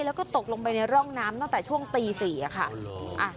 แล้วก็ตกลงไปในร่องน้ำตั้งแต่ช่วงตี๔ค่ะ